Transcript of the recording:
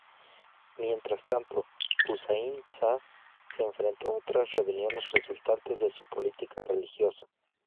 Mientras tanto, Husayn shah se enfrentó a otras rebeliones resultantes de su política religiosa.